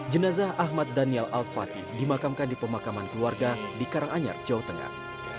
jenazah ahmad daniel al fatih dimakamkan di pemakaman keluarga di karanganyar jawa tengah